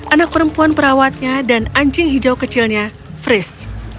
anak perempuan perawatnya dan anjing hijau kecilnya fris